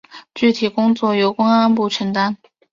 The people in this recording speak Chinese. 具体工作由公安部承担。